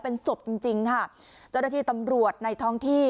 เป็นศพจริงจริงค่ะเจ้าหน้าที่ตำรวจในท้องที่